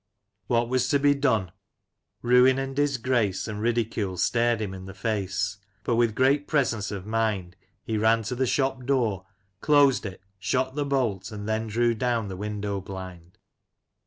What was to be done ? ruin and disgrace and ridicule stared him in the face ; but with great presence of mind he ran to the shop door, closed it, shot the bolt, and then drew down the window blind.